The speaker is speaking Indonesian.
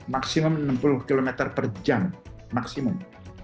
maksimum enam puluh km per jam maksimum